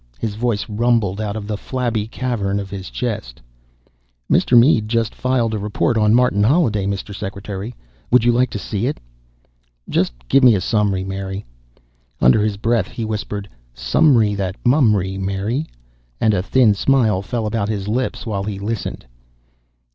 His voice rumbled out of the flabby cavern of his chest. "Mr. Mead has just filed a report on Martin Holliday, Mr. Secretary. Would you like to see it?" "Just give me a summary, Mary." Under his breath he whispered, "Summary that mummery, Mary," and a thin smile fell about his lips while he listened.